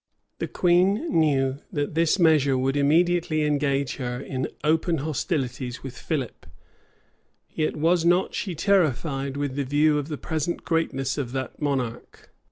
The queen knew that this measure would immediately engage her in open hostilities with Philip; yet was not she terrified with the view of the present greatness of that monarch.